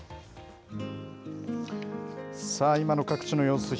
さあ、今の各地の様子です。